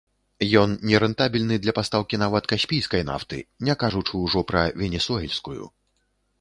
Ён нерэнтабельны для пастаўкі нават каспійскай нафты, не кажучы ўжо пра венесуэльскую.